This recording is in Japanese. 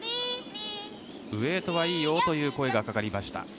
ウェイトはいいよという声がかかりました。